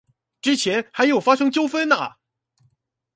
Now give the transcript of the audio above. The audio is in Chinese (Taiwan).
之前還有發生糾紛啊！